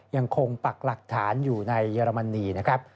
ปักหลักฐานอยู่ในเยอรมนีนะครับ